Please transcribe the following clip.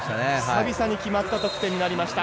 久々に決まった得点になりました。